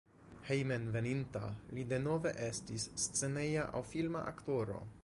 Hejmenveninta li denove estis sceneja aŭ filma aktoro.